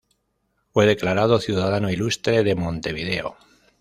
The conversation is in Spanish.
Fue declarado Ciudadano Ilustre de Montevideo.